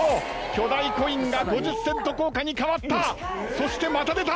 巨大コインが５０セント硬貨に変わったそしてまた出た。